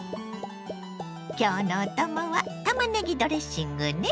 今日のお供はたまねぎドレッシングね。